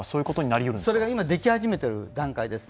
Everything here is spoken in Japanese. それが今、でき始めている段階です。